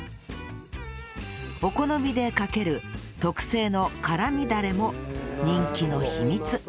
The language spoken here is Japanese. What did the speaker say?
お好みでかける特製の辛味だれも人気の秘密